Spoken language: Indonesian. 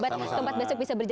pesalah pak jokowi konkret